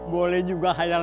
boleh juga khayalan lu im